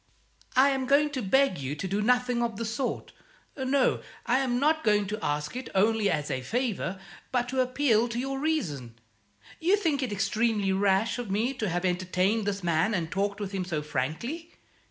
"I am going to beg you to do nothing of the sort. No, I am not going to ask it only as a favour, but to appeal to your reason. You think it extremely rash of me to have entertained this man and talked with him so frankly?